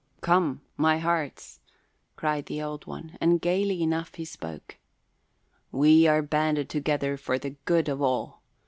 "Come, my hearts," cried the Old One, and gaily enough he spoke. "We are banded together for the good of all.